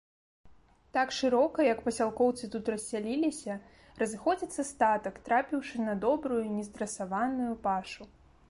Так шырока, як пасялкоўцы тут рассяліліся, разыходзіцца статак, трапіўшы на добрую, не здрасаваную пашу.